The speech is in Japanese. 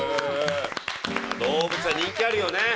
動物は人気あるよね。